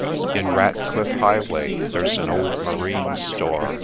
In Ratcliffe Highway there 's an old marine store.